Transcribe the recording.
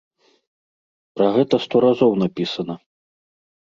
Пра гэта сто разоў напісана.